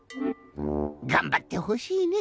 がんばってほしいね！